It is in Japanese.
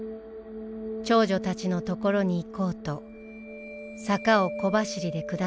長女たちのところに行こうと坂を小走りで下っていきました。